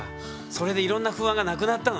それでいろんな不安がなくなったのね？